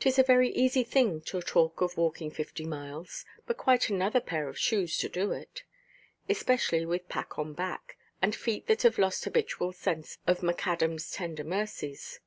'Tis a very easy thing to talk of walking fifty miles, but quite another pair of shoes to do it; especially with pack on back, and feet that have lost habitual sense of Macadamʼs tender mercies.